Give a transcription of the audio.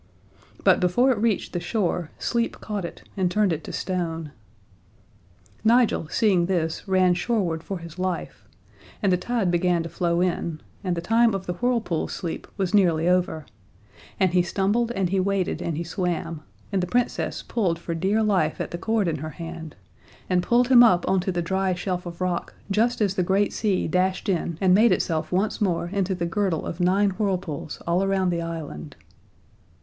But before it reached the shore sleep caught it and turned it to stone. Nigel, seeing this, ran shoreward for his life and the tide began to flow in, and the time of the whirlpools' sleep was nearly over, and he stumbled and he waded and he swam, and the Princess pulled for dear life at the cord in her hand, and pulled him up on to the dry shelf of rock just as the great sea dashed in and made itself once more into the girdle of Nine Whirlpools all around the island.